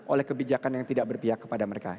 oleh kebijakan yang tidak berpihak kepada mereka